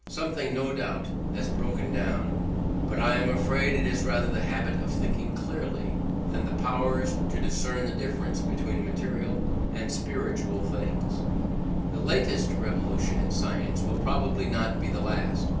Something no doubt has broken down: but I am afraid it is rather the habit of thinking clearly and the power to discern the difference between material and spiritual things. The latest revolution in science will probably not be the last.